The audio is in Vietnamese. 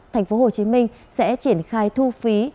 tp hcm sẽ triển khai thu phí